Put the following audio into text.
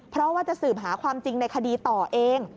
เพราะว่าจะสืบหาความจริงในคดีต่อเอง